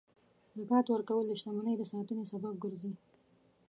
زکات ورکول د شتمنۍ د ساتنې سبب ګرځي.